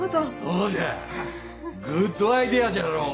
そうじゃグッドアイデアじゃろ。